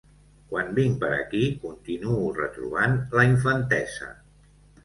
Quan vinc per aquí continuo retrobant la infantesa.